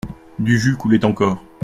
Du jus coulait encore.